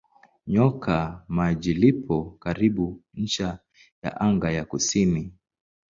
Nyoka Maji lipo karibu ncha ya anga ya kusini.